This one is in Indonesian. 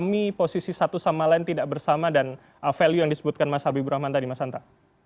memahami posisi satu sama lain tidak bersama dan value yang disebutkan mas habibur rahman tadi mas hanta